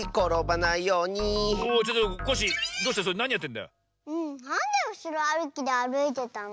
なんでうしろあるきであるいてたの？